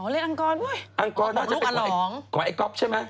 อ๋อเล่นอังกอด้วยอังกอน่าจะเป็นกว่าไอ้ก๊อบใช่ไหม